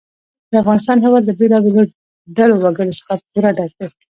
د افغانستان هېواد له بېلابېلو ډولو وګړي څخه پوره ډک دی.